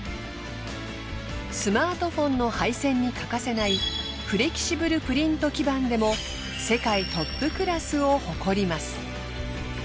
スマートフォンの配線に欠かせないフレキシブルプリント基板でも世界トップクラスを誇ります。